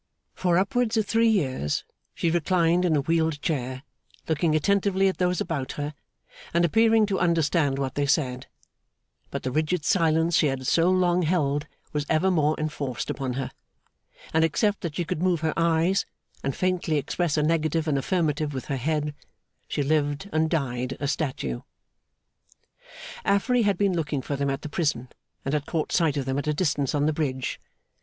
For upwards of three years she reclined in a wheeled chair, looking attentively at those about her and appearing to understand what they said; but the rigid silence she had so long held was evermore enforced upon her, and except that she could move her eyes and faintly express a negative and affirmative with her head, she lived and died a statue. Affery had been looking for them at the prison, and had caught sight of them at a distance on the bridge.